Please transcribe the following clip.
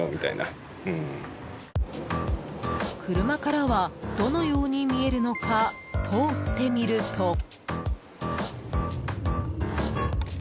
車からはどのように見えるのか通ってみると。